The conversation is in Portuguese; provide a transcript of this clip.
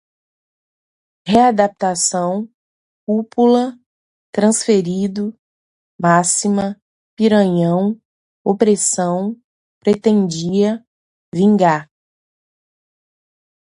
readaptação, cúpula, transferido, máxima, piranhão, opressão, pretendia, vingar